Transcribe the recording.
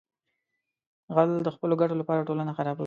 غل د خپلو ګټو لپاره ټولنه خرابوي